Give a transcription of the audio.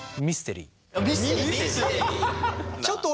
ミステリー！？